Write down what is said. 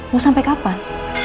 mau sampai kapan